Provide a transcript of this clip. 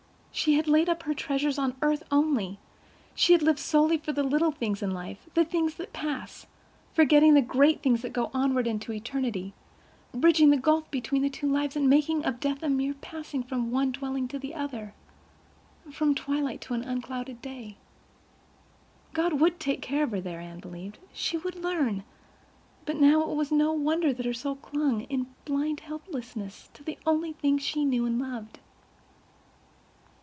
She had laid up her treasures on earth only; she had lived solely for the little things of life—the things that pass—forgetting the great things that go onward into eternity, bridging the gulf between the two lives and making of death a mere passing from one dwelling to the other—from twilight to unclouded day. God would take care of her there—Anne believed—she would learn—but now it was no wonder her soul clung, in blind helplessness, to the only things she knew and loved.